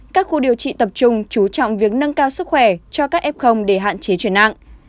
các khu điều trị tập trung chú trọng việc nâng cao sức khỏe cho các f để hạn chế chuyển nặng